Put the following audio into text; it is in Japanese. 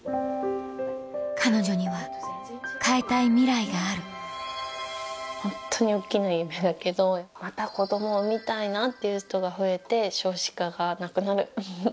彼女には変えたいミライがあるホントに大っきな夢だけどまた子供を産みたいなっていう人が増えて少子化がなくなる。